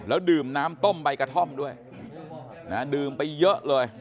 แล้วดื่มน้ำต้มใบกระท่อมด้วยนะดื่มไปเยอะเลย